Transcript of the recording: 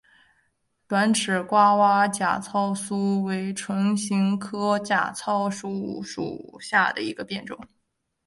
短齿爪哇假糙苏为唇形科假糙苏属下的一个变种。